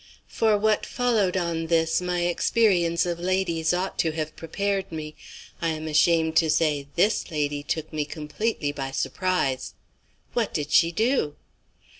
For what followed on this, my experience of ladies ought to have prepared me. I am ashamed to say this lady took me completely by surprise." "What did she do?"